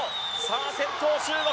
先頭は中国。